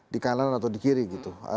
di kanan atau di kiri gitu